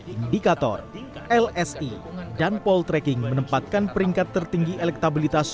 indikator lsi dan pol tracking menempatkan peringkat tertinggi elektabilitas